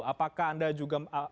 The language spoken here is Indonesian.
apakah anda juga